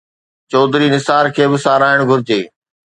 چوڌري نثار کي به ساراهڻ گهرجي.